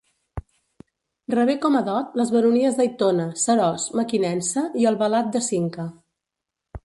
Rebé com a dot les baronies d'Aitona, Seròs, Mequinensa i Albalat de Cinca.